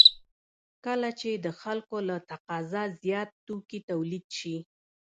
کله چې د خلکو له تقاضا زیات توکي تولید شي